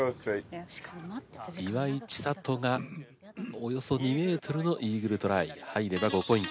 岩井千怜がおよそ２メートルのイーグルトライ入れば５ポイント。